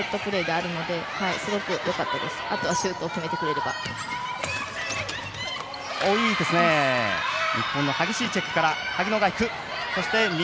あとはシュートを決めてくれれば。